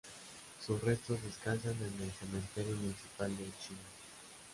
Sus restos descansan en el Cementerio Municipal de Chillán.